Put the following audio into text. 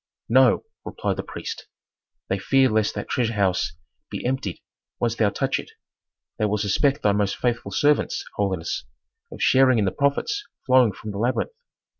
"No," replied the priest. "They fear lest that treasure house be emptied once thou touch it. They will suspect thy most faithful servants, holiness, of sharing in the profits flowing from the labyrinth.